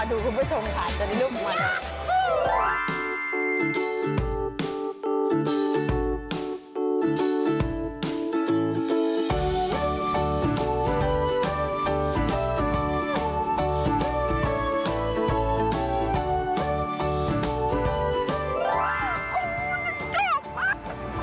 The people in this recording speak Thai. ขอบคุณผู้ชมค่ะจะได้รูปเหมือนกัน